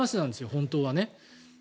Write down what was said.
本当はね。